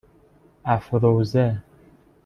افروزه